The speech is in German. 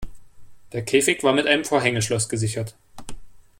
Der Käfig war mit einem Vorhängeschloss gesichert.